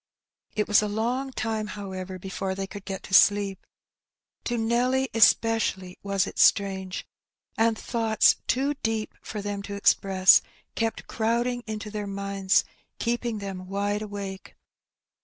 It was a long time^ however, before they could get to sleep. To Nelly especially was it strange. And thoughts too deep for them to express kept crowding into their minds, keeping them wide awake.